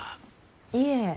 いえ。